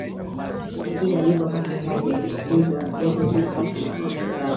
na kila alipopata kazi alifukuzwa Jambo zuri kwake alikuwa mchoraji